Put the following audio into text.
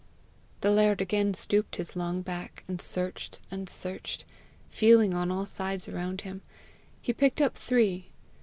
The laird again stooped his long back, and searched and searched, feeling on all sides around him. He picked up three.